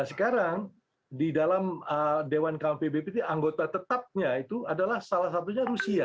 sekarang di dalam dewan keamanan pbbt anggota tetapnya itu adalah salah satunya rusia